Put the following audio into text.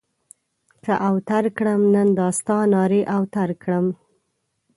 که اوتر کړم؛ نن دا ستا نارې اوتر کړم.